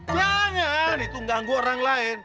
jangan itu ganggu orang lain